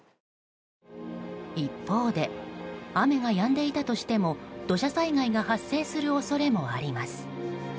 一方で雨がやんでいたとしても土砂災害が発生する恐れもあります。